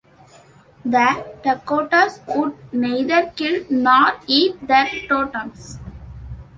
The Dakotas would neither kill nor eat their totems.